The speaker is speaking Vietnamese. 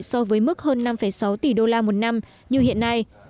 so với mức hơn năm sáu tỷ đô la một năm như hiện nay